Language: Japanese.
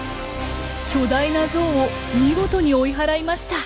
巨大なゾウを見事に追い払いました。